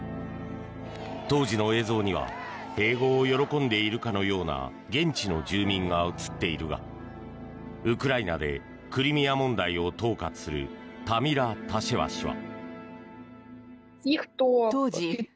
当時の映像には併合を喜んでいるかのような現地の住民が映っているがウクライナでクリミア問題を統括するタミラ・タシェワ氏は。